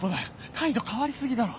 態度変わり過ぎだろ。